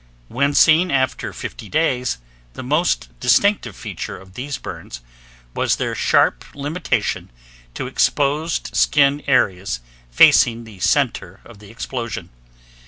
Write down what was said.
When seen after 50 days, the most distinctive feature of these burns was their sharp limitation to exposed skin areas facing the center of the explosion.